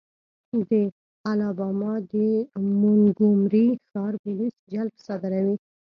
د الاباما د مونګومري ښار پولیس جلب صادروي.